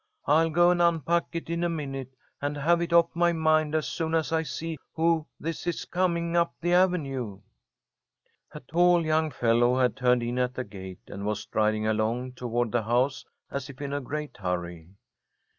"I'll go and unpack it in a minute, and have it off my mind, as soon as I see who this is coming up the avenue." A tall young fellow had turned in at the gate, and was striding along toward the house as if in a great hurry.